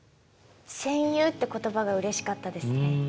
「戦友」って言葉がうれしかったですね。